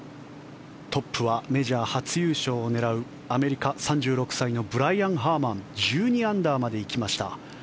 トップはメジャー初優勝を狙うアメリカ、３６歳のブライアン・ハーマン１２アンダーまで行きました。